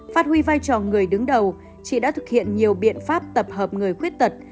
phát huy vai trò người đứng đầu chị đã thực hiện nhiều biện pháp tập hợp người khuyết tật